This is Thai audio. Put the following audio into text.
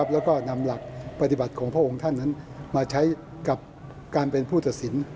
แล้วก็นำหลักปฏิบัติของพระองค์ท่านนั้นมาใช้กับการเป็นผู้ตัดสิน